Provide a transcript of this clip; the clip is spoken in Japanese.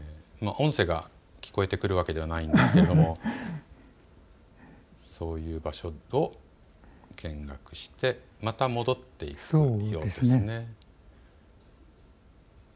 音声が聞こえてくるわけではないんですけれどもそういう場所を見学してまた戻っていくようですね。